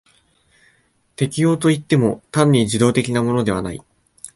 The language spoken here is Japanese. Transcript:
適応といっても単に受動的なものでない。